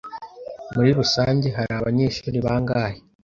Muri rusange hari abanyeshuri bangahe?